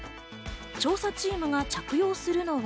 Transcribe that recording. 調査チームが着用するのは。